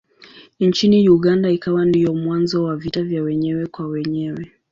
Nchini Uganda ikawa ndiyo mwanzo wa vita vya wenyewe kwa wenyewe.